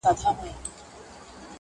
ګله له تا هم زلمي ډاریږي؛